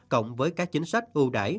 cộng với các chính sách ưu đải